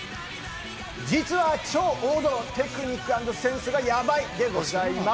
実は超王道、テクニック＆センスがヤバイでございます。